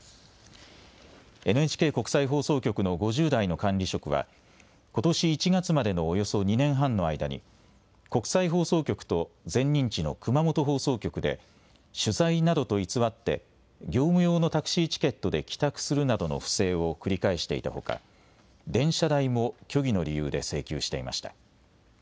ＮＨＫ国際放送局の５０代の管理職はことし１月までのおよそ２年半の間に国際放送局と前任地の熊本放送局で取材などと偽って業務用のタクシーチケットで帰宅するなどの不正を繰り返していたほか電車代も虚偽の理由で請求していました。